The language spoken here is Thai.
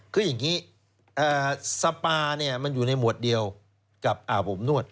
คืออย่างนี้สปาเนี่ยมันอยู่ในหมวดเดียวกับอาบอบนวด